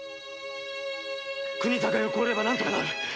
国境を越えれば何とかなる。